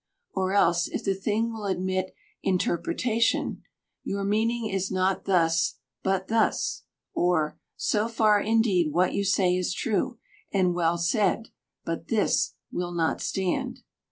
Or else, if the thing will admit interpreta tion, —" your meaning is not thus, but thus ;"— or, " so far indeed what you say is true, and well said ; but this will not stand."